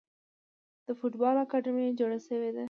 د فوټبال اکاډمۍ جوړې شوي دي.